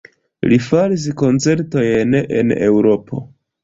Li faris koncertojn en Eŭropo.